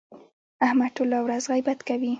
احمد ټوله ورځ غیبت کوي.